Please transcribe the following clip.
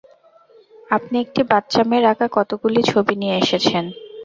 আপনি একটি বাচ্চা মেয়ের আঁকা কতগুলি ছবি নিয়ে এসেছেন।